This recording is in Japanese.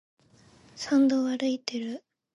山道を歩いている。